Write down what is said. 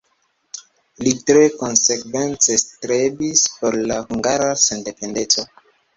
Li tre konsekvence strebis por la hungara sendependeco.